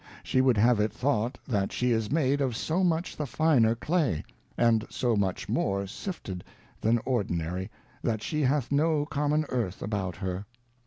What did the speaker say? She would have it thought that she is made of so much the finer Clay, and so much more sifted than ordinary, that she hath no common Earth about her.